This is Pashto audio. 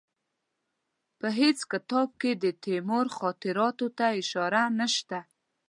په هېڅ کتاب کې د تیمور خاطراتو ته اشاره نشته.